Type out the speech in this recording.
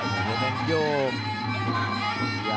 เดินยก